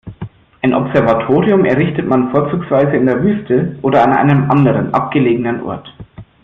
Ein Observatorium errichtet man vorzugsweise in der Wüste oder an einem anderen abgelegenen Ort.